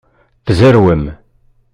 Tzerwem.